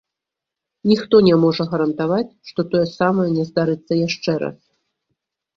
Ніхто не можа гарантаваць, што тое самае не здарыцца яшчэ раз.